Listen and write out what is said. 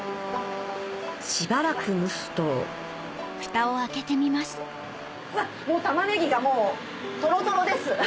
しばらく蒸すとタマネギがもうトロトロです。